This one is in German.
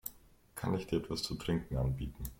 Kann ich dir etwas zu trinken anbieten?